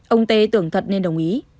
ông t tưởng thật nên đồng ý